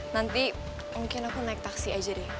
nanti mungkin aku naik taksi aja deh